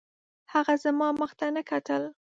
هغه زما مخ ته نه کتل